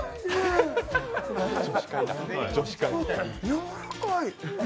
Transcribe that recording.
やわらかい。